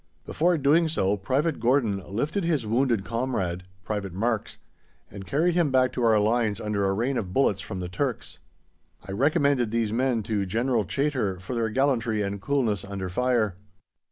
Before doing so, Private Gordon lifted his wounded comrade (Private Marks) and carried him back to our lines under a rain of bullets from the Turks. I recommended these men to General Chaytor for their gallantry and coolness under fire.